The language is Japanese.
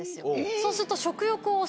そうすると。